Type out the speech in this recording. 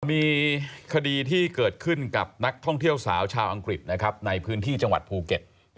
มีคดีที่เกิดขึ้นกับนักท่องเที่ยวสาวชาวอังกฤษนะครับในพื้นที่จังหวัดภูเก็ต